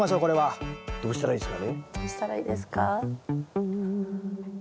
これは。どうしたらいいですかね？